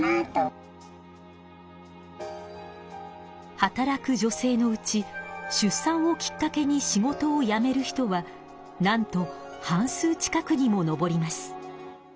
働く女性のうち出産をきっかけに仕事を辞める人はなんと半数近くにものぼります。